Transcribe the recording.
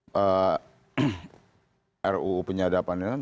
sebenarnya ru penyadapan ini sebenarnya